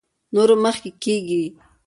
نورو مخکې کېږي.